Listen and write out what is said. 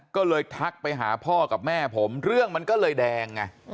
ก็เลยทักไปหาพ่อกับแม่ผมเรื่องมันก็เลยแดงไง